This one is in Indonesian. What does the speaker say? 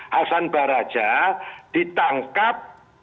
hasan baraja ditangkap